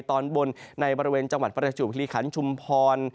ตอนบนในบริเวณจังหวัดประจวบคิริขันชุมพร